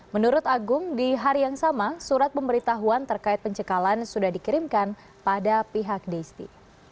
menurut agung di hari yang sama surat pemberitahuan terkait pencekalan sudah dikirimkan pada pihak disti